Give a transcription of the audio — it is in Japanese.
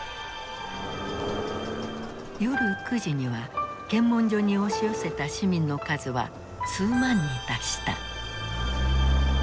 夜９時には検問所に押し寄せた市民の数は数万に達した。